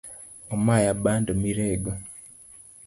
Omaya bando mirego